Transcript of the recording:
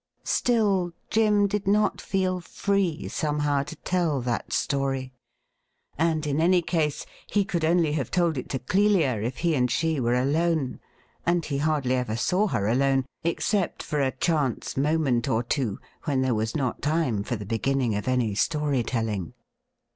Still, Jim did not feel free somehow to tell that story, and in any case he could only have told it to Clelia if he and she were alone ; and he hardly ever saw her alone, except for a chance moment or two when there was not time for the beginning of any story telling.